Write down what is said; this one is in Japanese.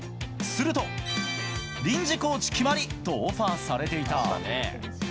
すると、臨時コーチ決まり！とオファーされていた。